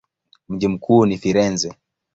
Mji mkuu ni Firenze.